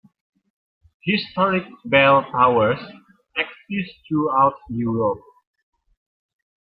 Historic bell towers exist throughout Europe.